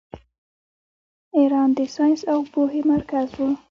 ایران د ساینس او پوهې مرکز و.